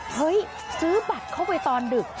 เฮ้ยซื้อบัตรเข้าไปตอนดึก